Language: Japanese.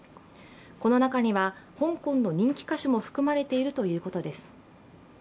この中には香港の人気歌手も含まれているということです。